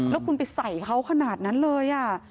แล้วคุณไปใส่เขาขนาดนั้นเลย